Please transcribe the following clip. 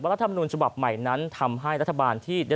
ว่าลักษณฑ์มนุษย์ฉบับใหม่นั้นทำให้รัฐบาลที่ได้